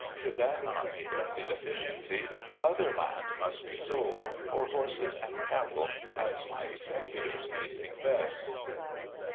Should that not make up the deficiency, other land must be sold, or horses and cattle, as my Executors may think best.